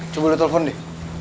coba udah telepon deh